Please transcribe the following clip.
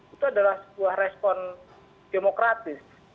itu adalah sebuah respon demokratis